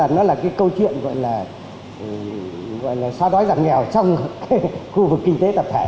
nó là cái câu chuyện gọi là xóa đói giảm nghèo trong khu vực kinh tế tập thể